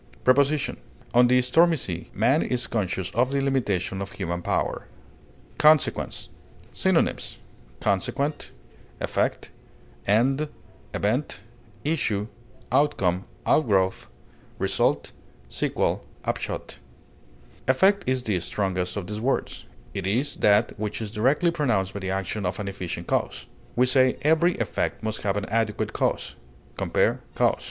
Preposition: On the stormy sea, man is conscious of the limitation of human power. CONSEQUENCE. Synonyms: consequent, end, issue, outgrowth, sequel, effect, event, outcome, result, upshot. Effect is the strongest of these words; it is that which is directly produced by the action of an efficient cause; we say, "Every effect must have an adequate cause" (compare CAUSE).